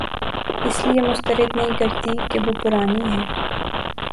اس لیے مسترد نہیں کرتی کہ وہ پرانی ہے